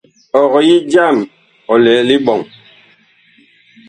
Ɔg yi jam ɔ lɛ liɓɔŋ.